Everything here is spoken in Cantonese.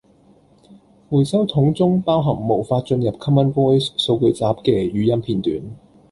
回收桶中包含無法進入 Common Voice 數據集既語音片段